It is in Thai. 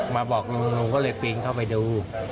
มาบอกโรงกลึงก็เลยกลิ่นเข้าไปดู